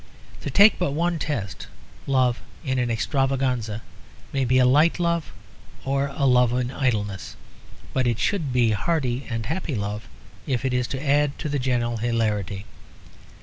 To take but one test: love, in an "extravaganza," may be light love or love in idleness, but it should be hearty and happy love if it is to add to the general hilarity.